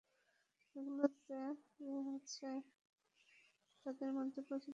এগুলোতে রয়েছে তাদের মধ্যে প্রচলিত মিথ্যাচারের বর্ণনা।